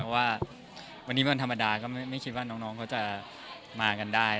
เพราะว่าวันนี้วันธรรมดาก็ไม่คิดว่าน้องเขาจะมากันได้